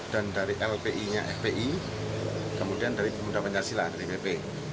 dan dari lpi nya fpi kemudian dari bumudah pancasila dari bp